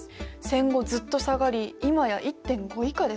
戦後ずっと下がり今や１．５以下です。